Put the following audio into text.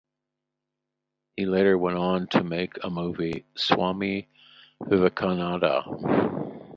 He later went on to make a movie "Swami Vivekananda".